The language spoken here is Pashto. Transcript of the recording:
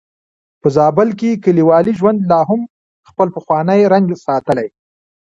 په زابل کې کليوالي ژوند لا هم خپل پخوانی رنګ ساتلی.